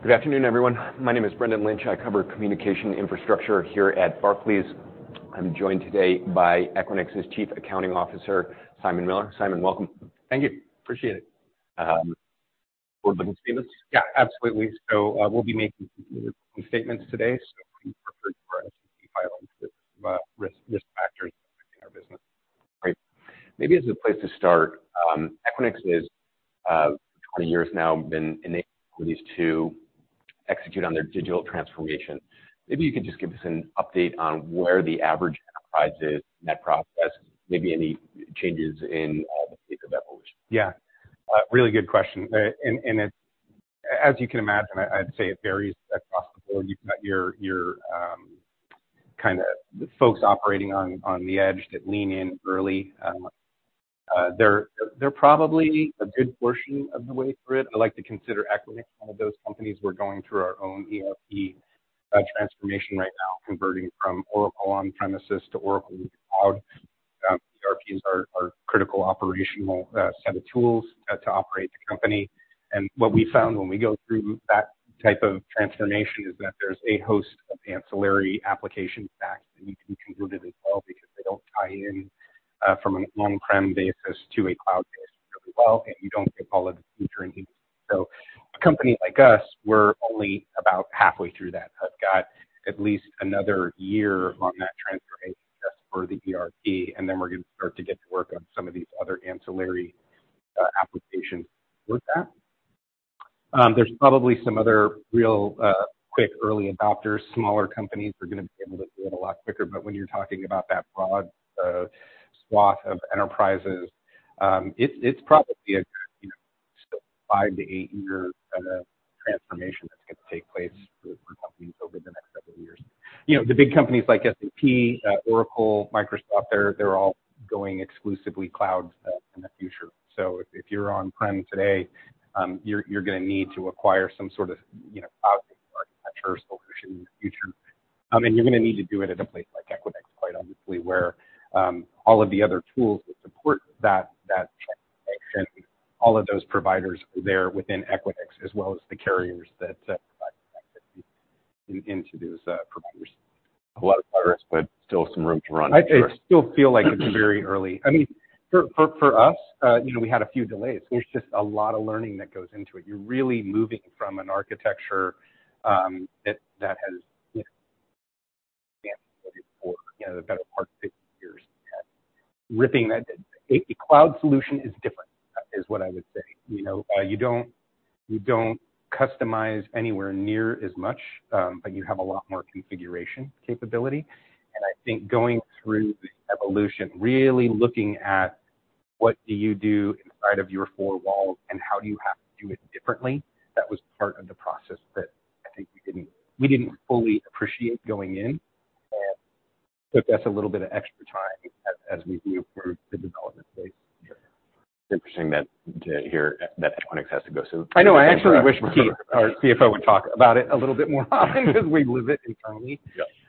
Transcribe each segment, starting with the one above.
Good afternoon, everyone. My name is Brendan Lynch. I cover communication infrastructure here at Barclays. I'm joined today by Equinix's Chief Accounting Officer, Simon Miller. Simon, welcome. Thank you. Appreciate it. Forward-looking statements. Yeah, absolutely. So, we'll be making some statements today, so please refer to our SEC filings for Risk Factors affecting our business. Great. Maybe as a place to start, Equinix has 20 years now been enabling companies to execute on their digital transformation. Maybe you could just give us an update on where the average enterprise is in that process, maybe any changes in the state of evolution. Yeah. Really good question. And it, as you can imagine, I'd say it varies across the board. You've got your kind of folks operating on the edge that lean in early. They're probably a good portion of the way through it. I like to consider Equinix one of those companies. We're going through our own ERP transformation right now, converting from Oracle on-premises to Oracle Cloud. ERPs are critical operational set of tools to operate the company. And what we found when we go through that type of transformation is that there's a host of ancillary applications back that need to be converted as well, because they don't tie in from an on-prem basis to a cloud-based really well, and you don't get all of the features. So a company like us, we're only about halfway through that. I've got at least another year on that transformation just for the ERP, and then we're going to start to get to work on some of these other ancillary applications with that. There's probably some other real quick early adopters, smaller companies who are going to be able to do it a lot quicker. But when you're talking about that broad swath of enterprises, it's, it's probably a, you know, five-to-eight-year kind of transformation that's going to take place for companies over the next several years. You know, the big companies like SAP, Oracle, Microsoft, they're, they're all going exclusively cloud in the future. So if, if you're on-prem today, you're, you're going to need to acquire some sort of, you know, cloud architecture solution in the future. And you're going to need to do it at a place like Equinix, quite honestly, where all of the other tools that support that transformation, all of those providers are there within Equinix, as well as the carriers that provide connectivity into those providers. A lot of progress, but still some room to run. I still feel like it's very early. I mean, for us, you know, we had a few delays. There's just a lot of learning that goes into it. You're really moving from an architecture that has, you know, for, you know, the better part of 15 years. Ripping that a cloud solution is different, is what I would say. You know, you don't customize anywhere near as much, but you have a lot more configuration capability. And I think going through the evolution, really looking at what do you do inside of your four walls, and how do you have to do it differently, that was part of the process that I think we didn't fully appreciate going in, and took us a little bit of extra time as we move through the development phase. Interesting that, to hear that Equinix has to go through. I know. I actually wish our CFO would talk about it a little bit more often, because we live it internally.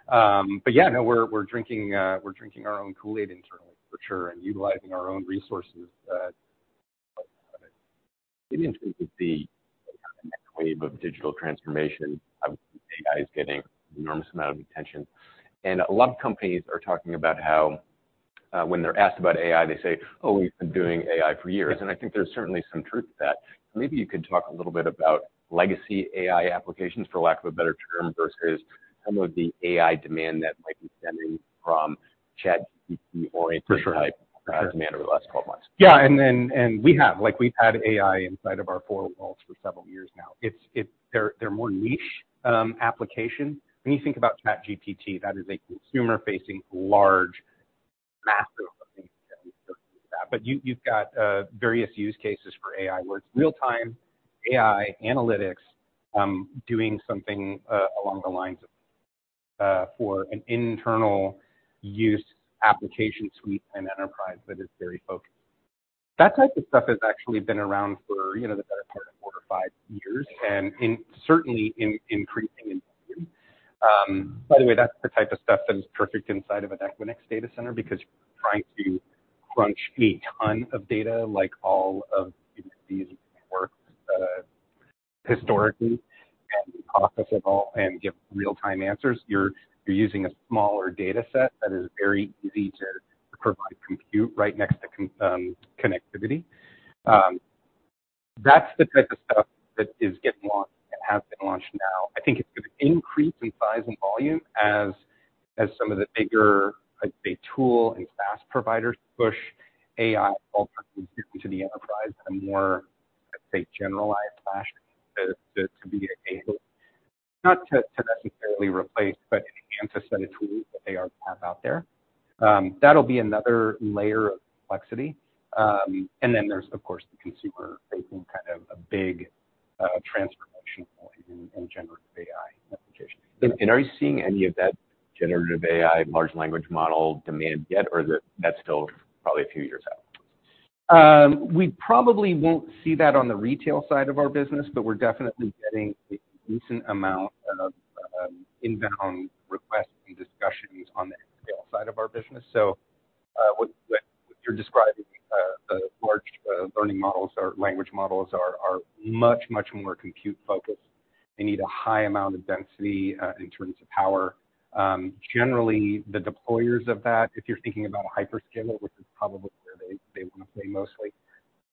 Yeah. But yeah, no, we're drinking our own Kool-Aid internally, for sure, and utilizing our own resources. In terms of the next wave of digital transformation, I would think AI is getting an enormous amount of attention. A lot of companies are talking about how, when they're asked about AI, they say: Oh, we've been doing AI for years. I think there's certainly some truth to that. Maybe you could talk a little bit about legacy AI applications, for lack of a better term, versus some of the AI demand that might be stemming from ChatGPT or a type- For sure. demand over the last 12 months. Yeah, and then we have—like, we've had AI inside of our four walls for several years now. It's, it's—they're more niche applications. When you think about ChatGPT, that is a consumer-facing, large, massive thing. But you've got various use cases for AI, where it's real-time AI analytics, doing something along the lines of for an internal use application suite and enterprise that is very focused. That type of stuff has actually been around for, you know, the better part of four or five years, and certainly increasing in use. By the way, that's the type of stuff that is perfect inside of an Equinix data center, because you're trying to crunch a ton of data, like all of these works historically, and process it all and give real-time answers. You're using a smaller data set that is very easy to provide compute right next to connectivity. That's the type of stuff that is getting launched and has been launched now. I think it's going to increase in size and volume as, as some of the bigger, I'd say, tool and SaaS providers push AI ultimately into the enterprise in a more, I'd say, generalized fashion to be able, not to necessarily replace, but enhance a set of tools that they have out there. That'll be another layer of complexity. And then there's, of course, the consumer-facing, kind of a big, transformation point in generative AI applications. Are you seeing any of that generative AI, large language model demand yet, or is it, that's still probably a few years out? We probably won't see that on the retail side of our business, but we're definitely getting a decent amount of inbound requests on the scale side of our business. So, what you're describing, the large learning models or language models are much more compute focused. They need a high amount of density in terms of power. Generally, the deployers of that, if you're thinking about a hyperscaler, which is probably where they want to play mostly,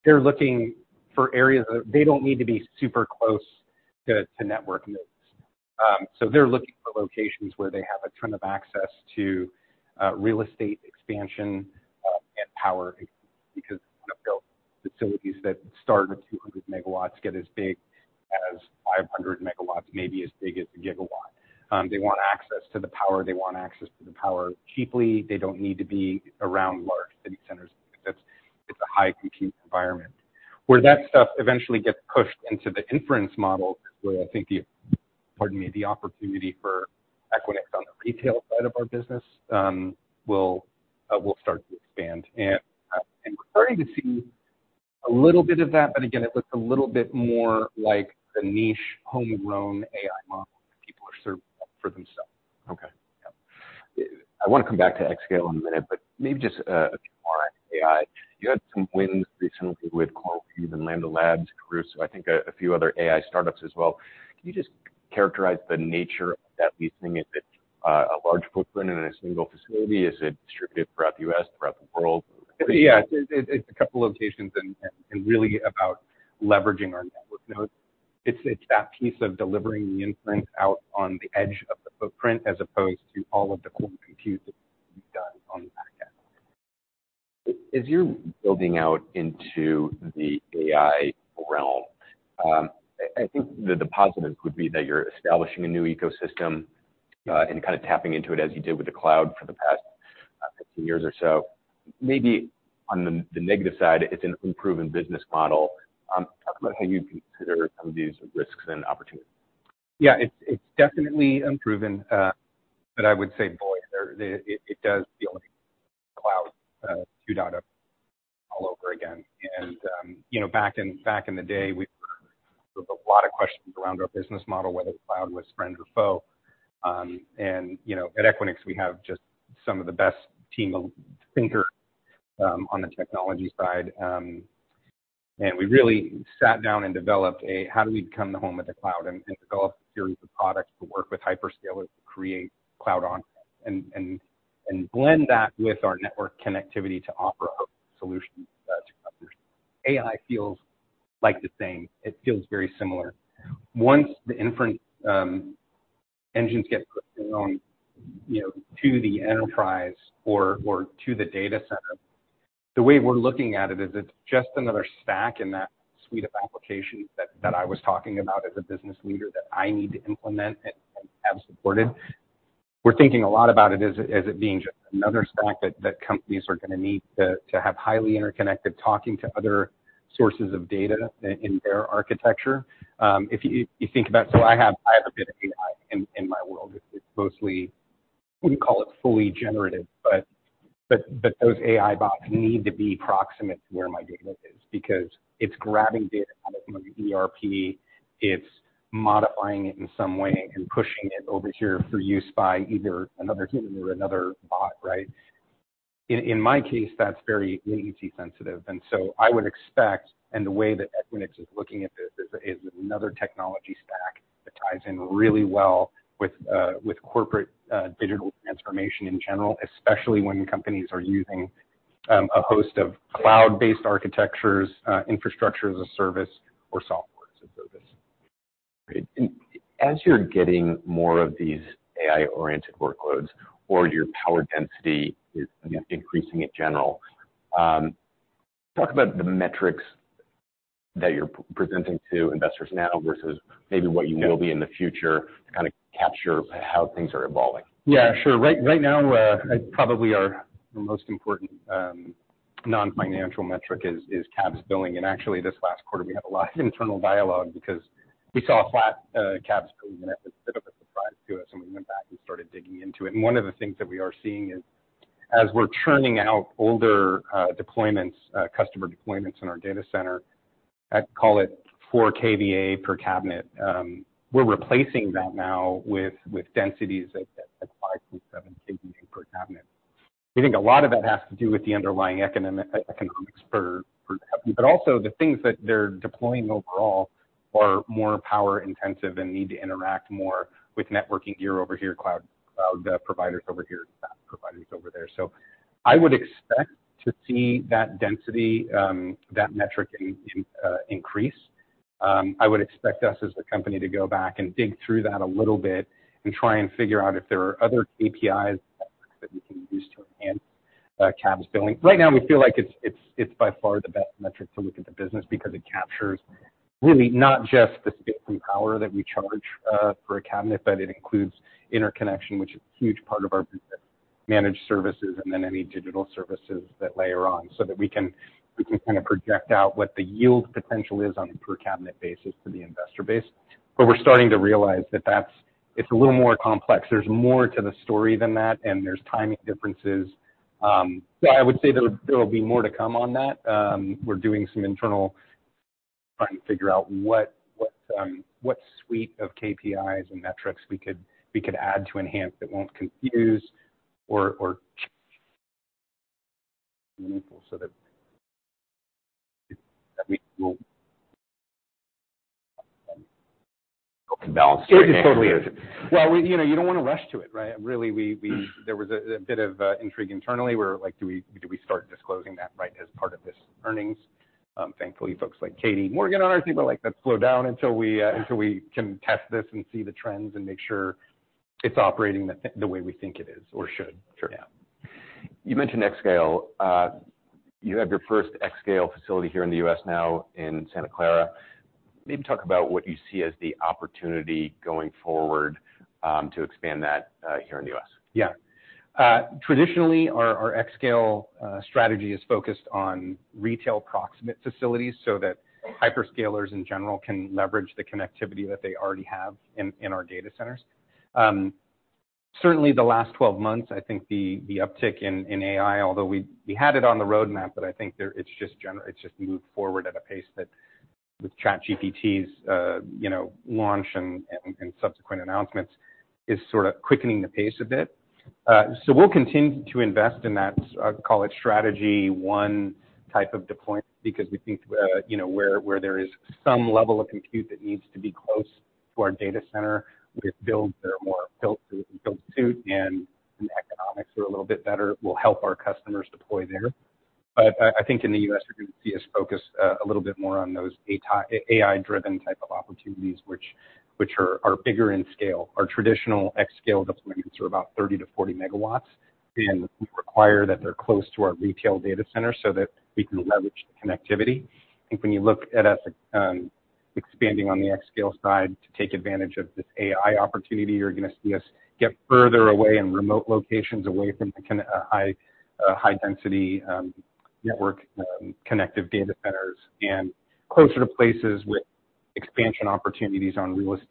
they're looking for areas that they don't need to be super close to network nodes. So, they're looking for locations where they have a ton of access to real estate expansion and power, because they want to build facilities that start with 200 MW, get as big as 500 MW, maybe as big as a gigawatt. They want access to the power. They want access to the power cheaply. They don't need to be around large city centers. It's a high compute environment. Where that stuff eventually gets pushed into the inference model, is where I think the, pardon me, the opportunity for Equinix on the retail side of our business, will start to expand. And we're starting to see a little bit of that, but again, it looks a little bit more like the niche, homegrown AI model that people are serving up for themselves. Okay. Yeah. I want to come back to xScale in a minute, but maybe just a few more on AI. You had some wins recently with CoreWeave and Lambda Labs, Crusoe, I think a few other AI startups as well. Can you just characterize the nature of that leasing? Is it a large footprint in a single facility? Is it distributed throughout the U.S., throughout the world? Yeah, it's a couple locations and really about leveraging our network nodes. It's that piece of delivering the inference out on the edge of the footprint, as opposed to all of the core compute that you've done on the back end. As you're building out into the AI realm, I think that the positive would be that you're establishing a new ecosystem, and kind of tapping into it as you did with the cloud for the past, 15 years or so. Maybe on the, the negative side, it's an unproven business model. Talk about how you consider some of these risks and opportunities. Yeah, it's definitely unproven, but I would say, boy, it does feel like cloud 2.0 all over again. You know, back in the day, there were a lot of questions around our business model, whether the cloud was friend or foe. You know, at Equinix, we have just some of the best team of thinkers on the technology side. We really sat down and developed how do we become the home of the cloud, and blend that with our network connectivity to offer a solution to customers. AI feels like the same. It feels very similar. Once the inference engines get put on, you know, to the enterprise or to the data center, the way we're looking at it is it's just another stack in that suite of applications that I was talking about as a business leader, that I need to implement and have supported. We're thinking a lot about it as it being just another stack that companies are going to need to have highly interconnected, talking to other sources of data in their architecture. If you think about it, so I have a bit of AI in my world. It's mostly, wouldn't call it fully generative, but those AI bots need to be proximate to where my data is, because it's grabbing data out of my ERP, it's modifying it in some way and pushing it over here for use by either another human or another bot, right? In my case, that's very sensitive. And so I would expect, and the way that Equinix is looking at this, is another technology stack that ties in really well with corporate digital transformation in general, especially when companies are using a host of cloud-based architectures, Infrastructure as a Service or Software as a Service. Great. As you're getting more of these AI-oriented workloads or your power density is increasing in general, talk about the metrics that you're presenting to investors now versus maybe what you will be in the future to kind of capture how things are evolving? Yeah, sure. Right, right now, probably our most important non-financial metric is cabs billing. Actually, this last quarter, we had a lot of internal dialogue because we saw a flat cabs billing, and it was a bit of a surprise to us, and we went back and started digging into it. One of the things that we are seeing is, as we're churning out older deployments, customer deployments in our data center, I'd call it 4 kVA per cabinet. We're replacing that now with densities at 5.7 kVA per cabinet. We think a lot of that has to do with the underlying economics for cabinet, but also the things that they're deploying overall are more power intensive and need to interact more with networking gear over here, cloud providers over here, cloud providers over there. So I would expect to see that density, that metric, increase. I would expect us as a company to go back and dig through that a little bit and try and figure out if there are other KPIs that we can use to enhance cabs billing. Right now, we feel like it's by far the best metric to look at the business because it captures really not just the power that we charge for a cabinet, but it includes interconnection, which is a huge part of our managed services, and then any digital services that layer on, so that we can kind of project out what the yield potential is on a per cabinet basis for the investor base. But we're starting to realize that that's-it's a little more complex. There's more to the story than that, and there's timing differences. So I would say there will be more to come on that. We're doing some internal... trying to figure out what suite of KPIs and metrics we could add to enhance that won't confuse or [inaudible] so that we won't balance. It totally is. Well, you know, you don't want to rush to it, right? Really, there was a bit of intrigue internally, where, like, do we start disclosing that right as part of this earnings? Thankfully, folks like Katie Morgan on our team are like, "Let's slow down until we can test this and see the trends and make sure it's operating the way we think it is or should. Sure. Yeah. You mentioned xScale. You have your first xScale facility here in the U.S. now in Santa Clara. Maybe talk about what you see as the opportunity going forward, to expand that, here in the U.S. Yeah. Traditionally, our xScale strategy is focused on retail proximate facilities, so that hyperscalers, in general, can leverage the connectivity that they already have in our data centers. Certainly the last 12 months, I think the uptick in AI, although we had it on the roadmap, but I think it's just moved forward at a pace that, with ChatGPT's, you know, launch and subsequent announcements, is sort of quickening the pace a bit. So we'll continue to invest in that strategy, one type of deployment, because we think, you know, where there is some level of compute that needs to be close to our data center, we build. They're more built to, and the economics are a little bit better, will help our customers deploy there. But I, I think in the U.S., you're going to see us focus, a little bit more on those AI, AI-driven type of opportunities, which, which are, are bigger in scale. Our traditional xScale deployments are about 30 MW-40 MW, and we require that they're close to our retail data center so that we can leverage the connectivity. I think when you look at us, expanding on the xScale side to take advantage of this AI opportunity, you're gonna see us get further away in remote locations, away from the high density network connected data centers, and closer to places with expansion opportunities on real estate.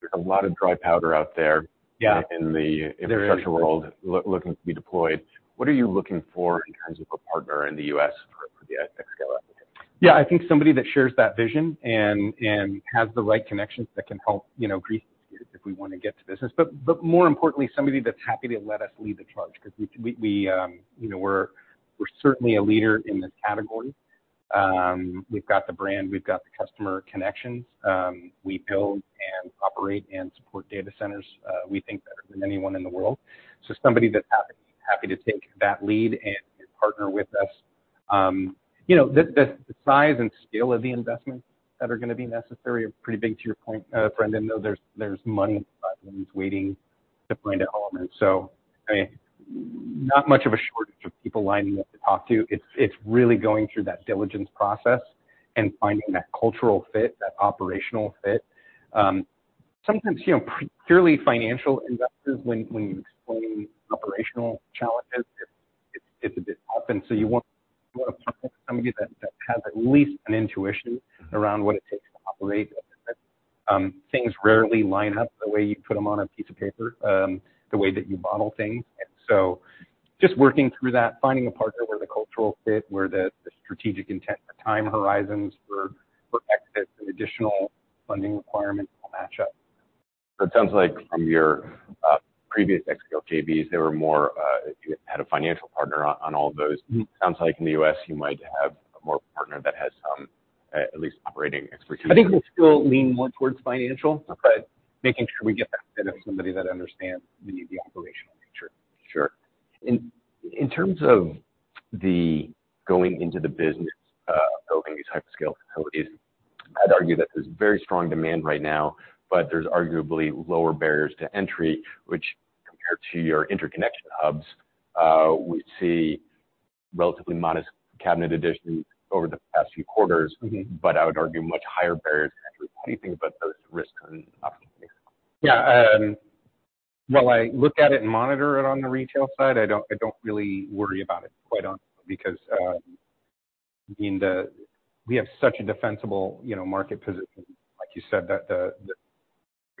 There's a lot of dry powder out there- Yeah. In the infrastructure world looking to be deployed. What are you looking for in terms of a partner in the U.S. for the xScale application? Yeah, I think somebody that shares that vision and has the right connections that can help, you know, grease, if we want to get to business. But more importantly, somebody that's happy to let us lead the charge, because you know, we're certainly a leader in this category. We've got the brand, we've got the customer connections. We build and operate and support data centers, we think better than anyone in the world. So somebody that's happy to take that lead and partner with us. You know, the size and scale of the investments that are gonna be necessary are pretty big, to your point, Brendan, though, there's money waiting to find a home. And so, I mean, not much of a shortage of people lining up to talk to. It's really going through that diligence process and finding that cultural fit, that operational fit. Sometimes, you know, purely financial investors, when you explain operational challenges, it's a bit often. So you want somebody that has at least an intuition around what it takes to operate. Things rarely line up the way you put them on a piece of paper, the way that you model things. And so just working through that, finding a partner where the cultural fit, where the strategic intent, the time horizons for exit and additional funding requirements will match up. So it sounds like from your previous xScale JVs, there were more, you had a financial partner on all of those. Mm-hmm. Sounds like in the U.S., you might have more partner that has some, at least operating expertise. I think we'll still lean more towards financial, but making sure we get that fit of somebody that understands the operational nature. Sure. In terms of the going into the business, building these type of scale facilities, I'd argue that there's very strong demand right now, but there's arguably lower barriers to entry, which compared to your interconnection hubs, we see relatively modest cabinet additions over the past few quarters. Mm-hmm. But I would argue much higher barriers to entry with anything but those risks and opportunities. Yeah, while I look at it and monitor it on the retail side, I don't, I don't really worry about it quite honestly, because, I mean, the, we have such a defensible, you know, market position, like you said, that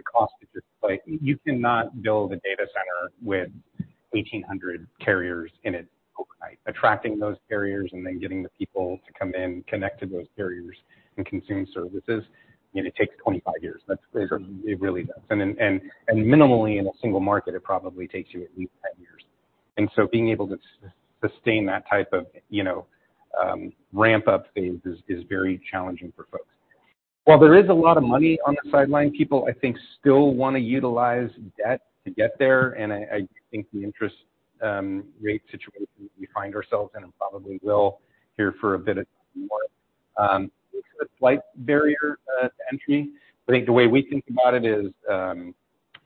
the, the, the cost is just like... You cannot build a data center with 1,800 carriers in it overnight. Attracting those carriers and then getting the people to come in, connect to those carriers and consume services, you know, it takes 25 years. That's- Sure. It really does. And then minimally in a single market, it probably takes you at least 10 years. And so being able to sustain that type of, you know, ramp up phase is very challenging for folks. While there is a lot of money on the sidelines, people, I think, still wanna utilize debt to get there, and I think the interest rate situation we find ourselves in, and probably will here for a bit more, it's a slight barrier to entry. I think the way we think about it is,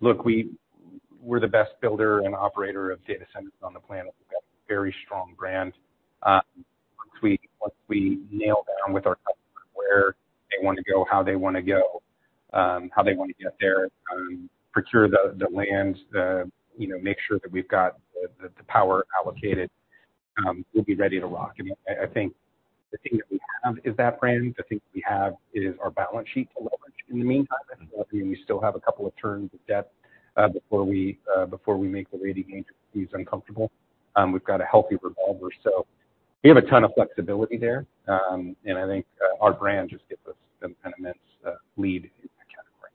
look, we're the best builder and operator of data centers on the planet. We've got a very strong brand. Once we nail down with our customer where they want to go, how they want to go, how they want to get there, procure the land, you know, make sure that we've got the power allocated, we'll be ready to rock. I mean, I think the thing that we have is that brand, the thing that we have is our balance sheet to leverage. In the meantime, I mean, we still have a couple of turns of debt before we make the rating agencies uncomfortable. We've got a healthy revolver. So we have a ton of flexibility there, and I think our brand just gives us an immense lead in that category.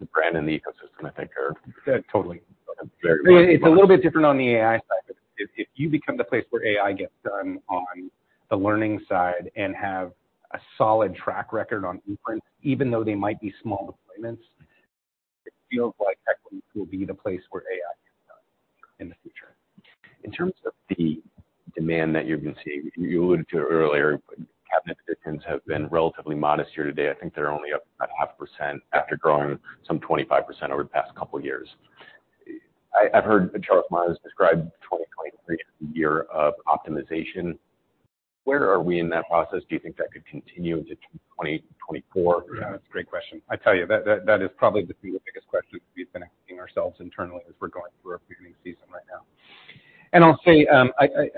The brand and the ecosystem, I think, are- Totally. Very- It's a little bit different on the AI side, but if you become the place where AI gets done on the learning side and have a solid track record on inference, even though they might be small deployments, it feels like Equinix will be the place where AI is done in the future. In terms of the demand that you're going to see, you alluded to it earlier, cabinet additions have been relatively modest here today. I think they're only up about 0.5% after growing some 25% over the past couple of years. I've heard Charles Meyers describe 2023 as a year of optimization. Where are we in that process? Do you think that could continue into 2024? Yeah, that's a great question. I tell you, that is probably the biggest question we've been asking ourselves internally as we're going through our planning season right now. And I'll say, I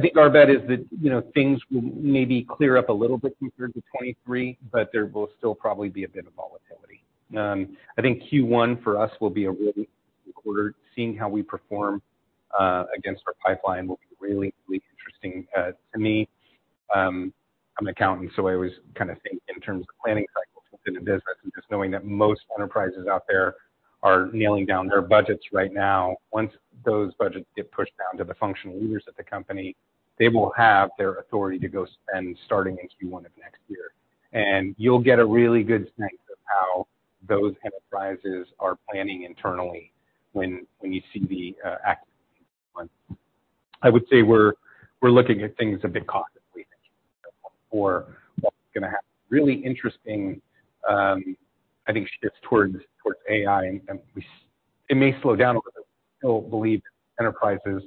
think our bet is that, you know, things will maybe clear up a little bit compared to 2023, but there will still probably be a bit of volatility. I think Q1 for us will be a [inaudible] really quarter, seeing how we perform against our pipeline will be really, really interesting to me. I'm an accountant, so I always kinda think in terms of planning cycles within the business and just knowing that most enterprises out there are nailing down their budgets right now. Once those budgets get pushed down to the functional leaders of the company, they will have their authority to go spend starting in Q1 of next year. You'll get a really good sense of how those enterprises are planning internally when you see the activity. I would say we're looking at things a bit cautiously for what's going to happen. Really interesting, I think, shifts towards AI. It may slow down a little bit. I still believe enterprises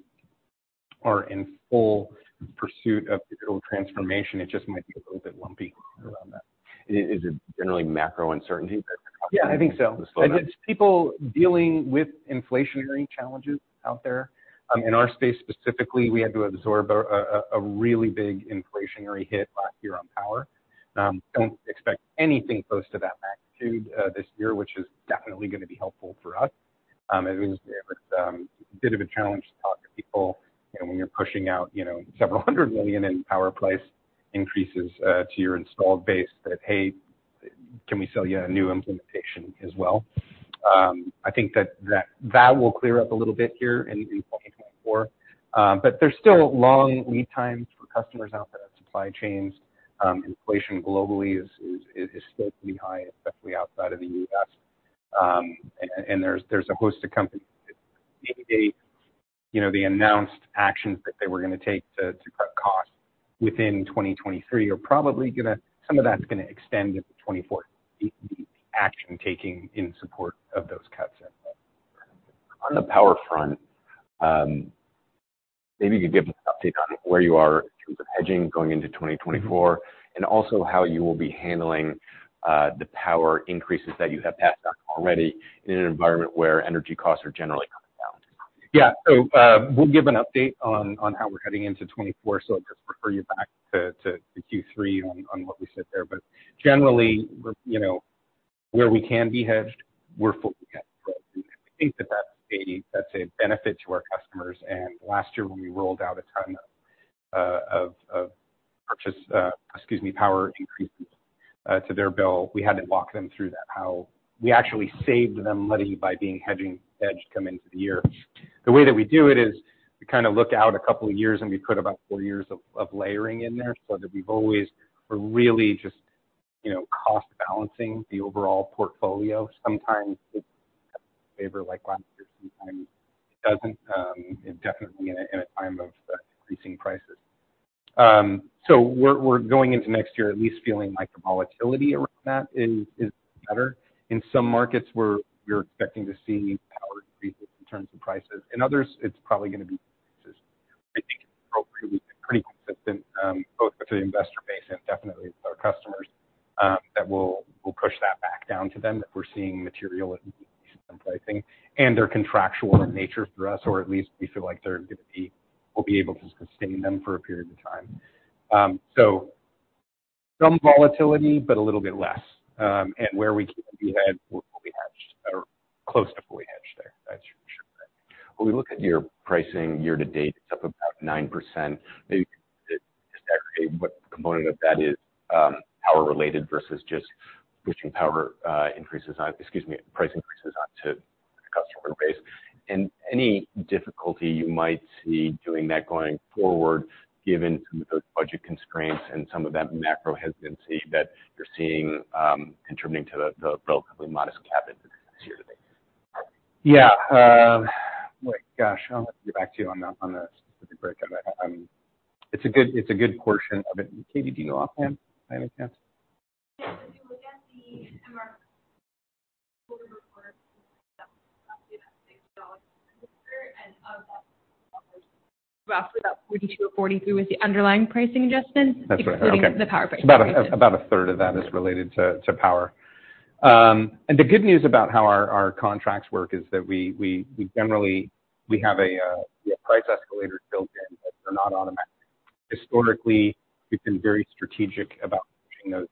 are in full pursuit of digital transformation. It just might be a little bit lumpy around that. Is it generally macro uncertainty that- Yeah, I think so. -the slowdown? It's people dealing with inflationary challenges out there. In our space, specifically, we had to absorb a really big inflationary hit last year on power. Don't expect anything close to that magnitude, this year, which is definitely going to be helpful for us. It was a bit of a challenge to talk to people, you know, when you're pushing out, you know, several hundred million in power price increases, to your installed base, that, "Hey, can we sell you a new implementation as well?" I think that will clear up a little bit here in 2024. But there's still long lead times for customers out there and supply chains. Inflation globally is still pretty high, especially outside of the US. And there's a host of companies that maybe, you know, the announced actions that they were going to take to cut costs within 2023 are probably gonna-some of that's gonna extend into 2024, the action taking in support of those cuts. On the power front, maybe you could give us an update on where you are in terms of hedging going into 2024, and also how you will be handling the power increases that you have passed on already in an environment where energy costs are generally coming down? Yeah. So, we'll give an update on how we're heading into 2024, so I'll just refer you back to the Q3 on what we said there. But generally, you know, where we can be hedged, we're fully hedged. I think that's a benefit to our customers, and last year, when we rolled out a ton of power increases to their bill, we had to walk them through that, how we actually saved them money by being hedged coming into the year. The way that we do it is we kinda look out a couple of years, and we put about four years of layering in there so that we've always... We're really just, you know, cost-balancing the overall portfolio. Sometimes it's in our favor, like last year, sometimes it doesn't, definitely in a time of increasing prices. So we're going into next year at least feeling like the volatility around that is better. In some markets, we're expecting to see power increases in terms of prices. In others, it's probably going to be... I think it's appropriately pretty consistent, both to the investor base and definitely with our customers, that we'll push that back down to them, that we're seeing material increases in pricing, and they're contractual in nature for us, or at least we feel like they're going to be, we'll be able to sustain them for a period of time. So some volatility, but a little bit less. And where we can be hedged, we'll be hedged, or close to fully hedged there. That's for sure. When we look at your pricing year to date, it's up about 9%. Maybe, what component of that is power-related versus just price increases on to the customer base? And any difficulty you might see doing that going forward, given some of those budget constraints and some of that macro hesitancy that you're seeing, contributing to the relatively modest cabs this year to date? Yeah. My gosh, I'll have to get back to you on that, on the specific breakdown. It's a good, it's a good portion of it. Katie, do you know offhand, by any chance? Yeah, if you look at the MR [inaudible] quarter report, and [inaudible] roughly about 42 or 43 was the underlying pricing adjustment- That's right. Including the power pricing. About a third of that is related to power. And the good news about how our contracts work is that we generally have a price escalator built in, but they're not automatic. Historically, we've been very strategic about pushing those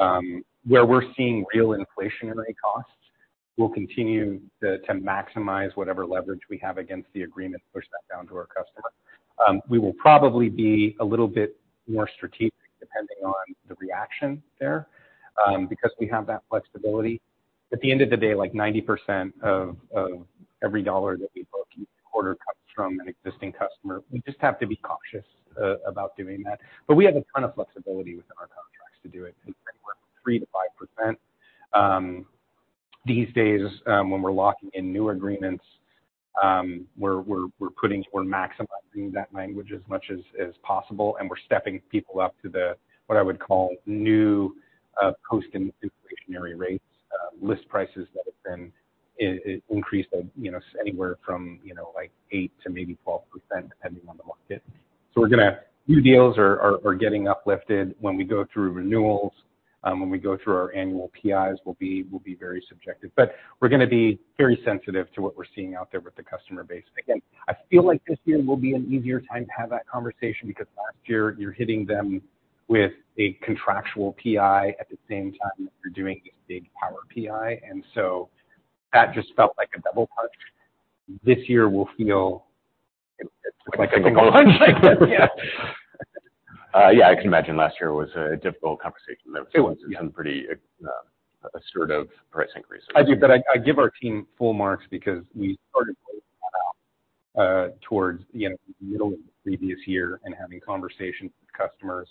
down. Where we're seeing real inflationary costs, we'll continue to maximize whatever leverage we have against the agreement, push that down to our customer. We will probably be a little bit more strategic depending on the reaction there, because we have that flexibility. At the end of the day, like, 90% of every dollar that we book each quarter comes from an existing customer. We just have to be cautious about doing that. But we have a ton of flexibility within our contracts to do it, anywhere from 3%-5%. These days, when we're locking in new agreements, we're putting, we're maximizing that language as much as possible, and we're stepping people up to the, what I would call, new, post-inflationary rates, list prices that have been increased by, you know, anywhere from, you know, like, 8% to maybe 12%, depending on the market. So we're gonna. New deals are getting uplifted when we go through renewals. When we go through our annual PIs, we'll be very subjective. But we're gonna be very sensitive to what we're seeing out there with the customer base. Again, I feel like this year will be an easier time to have that conversation, because last year you're hitting them with a contractual PI at the same time that you're doing this big power PI, and so that just felt like a double punch. This year will feel- Like a single punch. Yeah. Yeah, I can imagine last year was a difficult conversation. It was. Some pretty assertive price increases. I do, but I, I give our team full marks because we started towards the end of the middle of the previous year and having conversations with customers.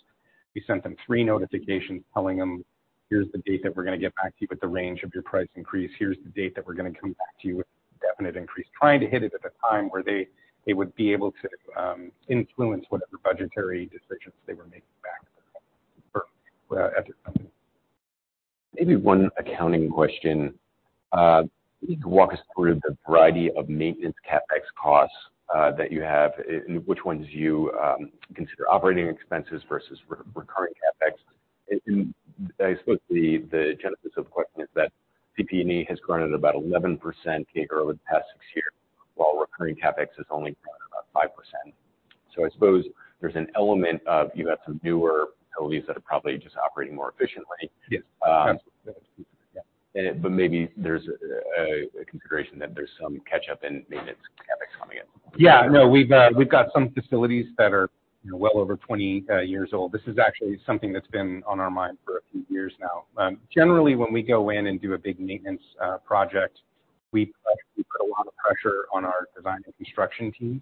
We sent them three notifications telling them, "Here's the date that we're gonna get back to you with the range of your price increase. Here's the date that we're gonna come back to you with a definite increase." Trying to hit it at a time where they, they would be able to influence whatever budgetary decisions they were making back at their company. Maybe one accounting question. Maybe walk us through the variety of maintenance CapEx costs that you have, and which ones you consider operating expenses versus recurring CapEx. I suppose the genesis of the question is that PP&E has grown at about 11% over the past six years, while recurring CapEx has only grown about 5%. I suppose there's an element of you have some newer facilities that are probably just operating more efficiently. Yes. Yeah. But maybe there's a consideration that there's some catch-up in maintenance CapEx coming in. Yeah. No, we've got some facilities that are, you know, well over 20 years old. This is actually something that's been on our mind for a few years now. Generally, when we go in and do a big maintenance project, we put a lot of pressure on our design and construction teams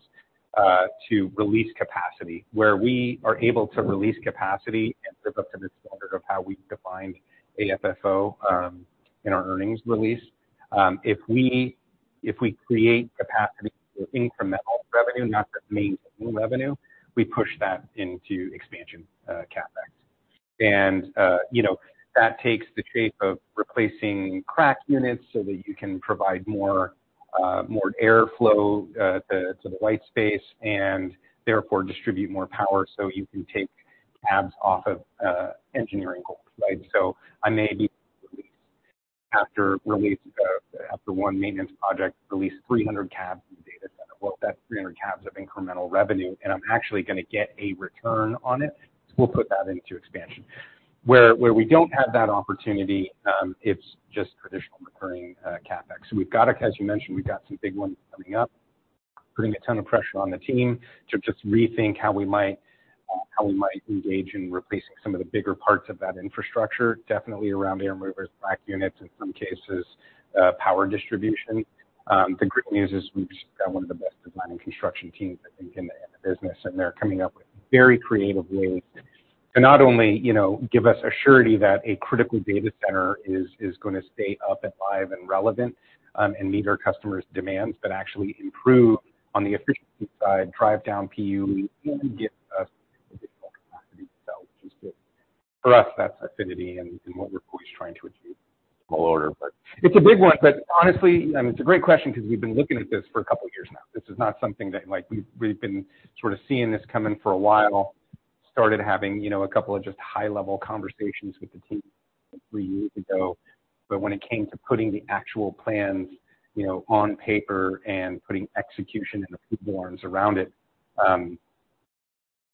to release capacity. Where we are able to release capacity and live up to the standard of how we define AFFO in our earnings release, if we create capacity for incremental revenue, not the main revenue, we push that into expansion CapEx. And, you know, that takes the shape of replacing CRAC units so that you can provide more airflow to the white space, and therefore distribute more power, so you can take cabs off of engineering holds, right? So I may be, after release, after one maintenance project, release 300 cabs in the data center. Well, that's 300 cabs of incremental revenue, and I'm actually gonna get a return on it, so we'll put that into expansion. Where we don't have that opportunity, it's just traditional recurring CapEx. We've got as you mentioned, we've got some big ones coming up, putting a ton of pressure on the team to just rethink how we might, how we might engage in replacing some of the bigger parts of that infrastructure, definitely around air movers, rack units, in some cases, power distribution. The great news is we've got one of the best design and construction teams, I think, in the business, and they're coming up with very creative ways to not only, you know, give us assurance that a critical data center is gonna stay up and live and relevant, and meet our customers' demands, but actually improve on the efficiency side, drive down PUE, and get us additional capacity. So for us, that's affinity and what we're always trying to achieve. Small order, but- It's a big one, but honestly, it's a great question because we've been looking at this for a couple of years now. This is not something that, like... We've been sort of seeing this coming for a while. Started having, you know, a couple of just high-level conversations with the team three years ago. But when it came to putting the actual plans, you know, on paper and putting execution and the forms around it,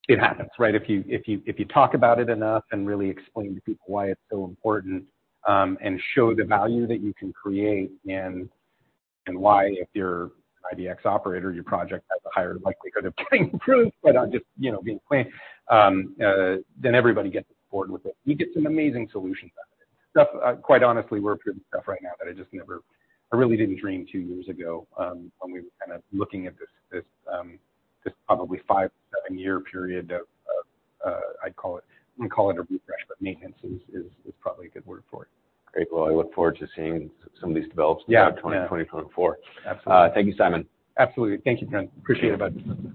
it happens, right? If you talk about it enough and really explain to people why it's so important, and show the value that you can create and why, if you're an IBX operator, your project has a higher likelihood of getting approved, but not just, you know, being planned, then everybody gets on board with it. We get some amazing solutions out of it. Stuff, quite honestly, we're good stuff right now that I just never—I really didn't dream two years ago, when we were kind of looking at this probably five, seven, year period of, I'd call it, we call it a refresh, but maintenance is probably a good word for it. Great. Well, I look forward to seeing some of these developments- Yeah. in 2020, 2024. Absolutely. Thank you, Simon. Absolutely. Thank you, friend. Appreciate it, bud.